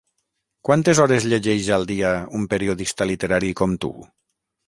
Quantes hores llegeix al dia un periodista literari com tu?